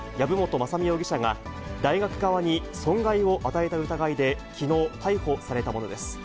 雅巳容疑者が、大学側に損害を与えた疑いで、きのう逮捕されたものです。